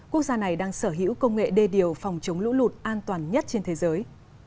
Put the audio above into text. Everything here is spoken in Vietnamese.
quốc gia này đang sở hữu công nghệ đê điều phòng chống lũ lụt an toàn nhất trên thế giới